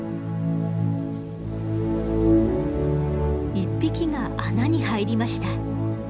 １匹が穴に入りました。